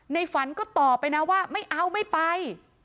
ฝันก็ตอบไปนะว่าไม่เอาไม่ไป